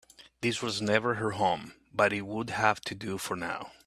This was never her home, but it would have to do for now.